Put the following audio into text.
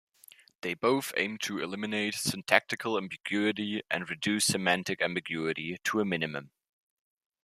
They both aim to eliminate syntactical ambiguity and reduce semantic ambiguity to a minimum.